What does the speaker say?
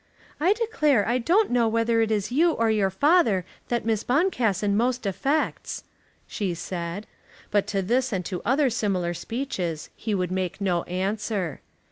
"I declare I don't know whether it is you or your father that Miss Boncassen most affects," she said. But to this and to other similar speeches he would make no answer.